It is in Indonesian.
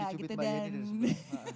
ada tadi di cubit mbak yeni